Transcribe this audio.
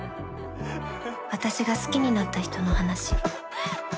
私が好きになった人の話。